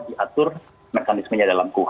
diatur mekanismenya dalam qh